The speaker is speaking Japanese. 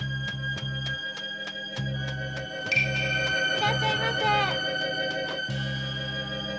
いらっしゃいませ！